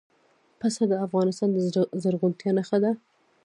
پسه د افغانستان د زرغونتیا نښه ده.